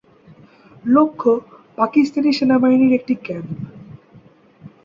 লক্ষ্য, পাকিস্তানি সেনাবাহিনীর একটি ক্যাম্প।